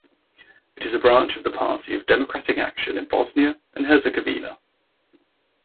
It is a branch of the Party of Democratic Action in Bosnia and Herzegovina.